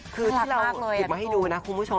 คือถ้าเราหยิบมาให้ดูนะคุณผู้ชม